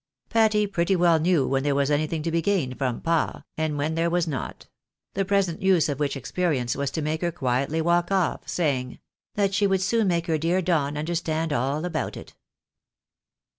Patty pretty well knew when there was anything to be gained from "Pa," and when there was not; the present use of which experience was to make her quietly walk off, saying, " that she would soon make her dear Don understand all about it."